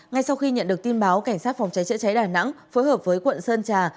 ngay sau khi nhận được tin báo cảnh sát phòng cháy chữa cháy đà nẵng phối hợp với quận sơn trà